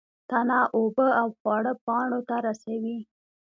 تنه اوبه او خواړه پاڼو ته رسوي